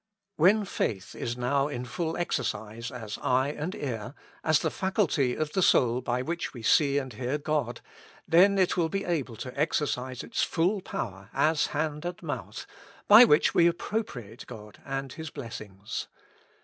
When faith now is in full exercise as eye and ear, as the faculty of the soul by which we see and hear God, then it will be able to exercise its full power as hand and mouth, by which we appropriate God and 95 With Christ in the School of Prayer. His blessings.